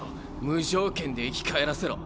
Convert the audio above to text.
無条件で生き返らせろ。